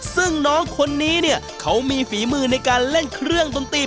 ซึ่งน้องคนนี้เนี่ยเขามีฝีมือในการเล่นเครื่องดนตรี